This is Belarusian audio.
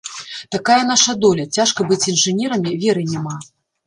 Такая наша доля, цяжка быць інжынерамі, веры няма.